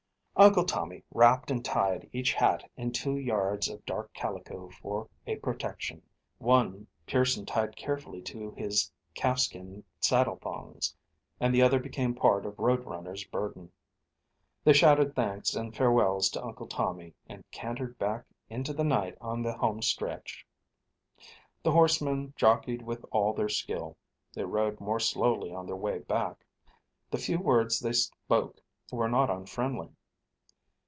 Uncle Tommy wrapped and tied each hat in two yards of dark calico for a protection. One Pearson tied carefully to his calfskin saddle thongs; and the other became part of Road Runner's burden. They shouted thanks and farewells to Uncle Tommy, and cantered back into the night on the home stretch. The horsemen jockeyed with all their skill. They rode more slowly on their way back. The few words they spoke were not unfriendly.